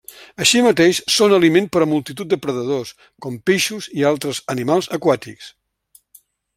Així mateix són aliment per a multitud de predadors com peixos i altres animals aquàtics.